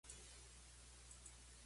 かなりの大きさの盲腸だねぇ